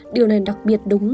điều này đặc biệt đúng